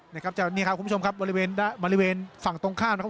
นะครับจะนี่ครับคุณผู้ชมครับบริเวณบริเวณฝั่งตรงข้ามนะครับ